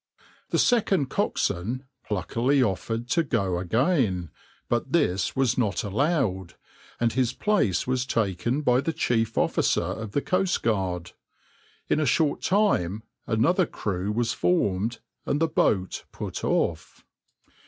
The second coxswain pluckily offered to go again, but this was not allowed, and his place was taken by the chief officer of the coastguard. In a short time another crew was formed, and the boat put off.